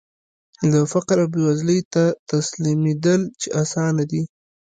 لکه فقر او بېوزلۍ ته تسليمېدل چې اسانه دي.